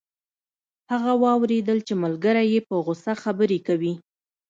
هغه واوریدل چې ملګری یې په غوسه خبرې کوي